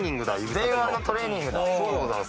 前腕のトレーニングだ。